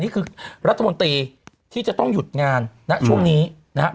นี่คือรัฐมนตรีที่จะต้องหยุดงานณช่วงนี้นะครับ